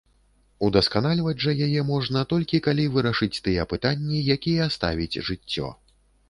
Удасканальваць жа яе можна толькі, калі вырашыць тыя пытанні, якія ставіць жыццё.